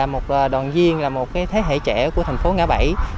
một đoàn viên là một thế hệ trẻ của thành phố ngã bảy